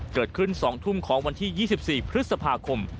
เกิดขึ้น๒ทุ่มของวันที่๒๔พฤษภาคม